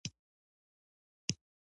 ابن بطوطه د پاچا د مېلمه پالنو په باب ږغیږي.